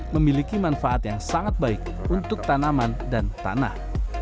memiliki manfaat yang sangat baik untuk tanaman dan tanah